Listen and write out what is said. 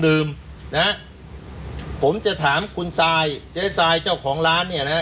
ลืมนะฮะผมจะถามคุณซายเจ๊ทรายเจ้าของร้านเนี่ยนะฮะ